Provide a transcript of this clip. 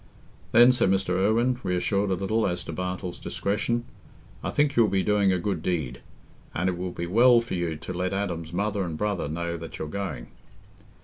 "Then," said Mr. Irwine, reassured a little as to Bartle's discretion, "I think you'll be doing a good deed; and it will be well for you to let Adam's mother and brother know that you're going."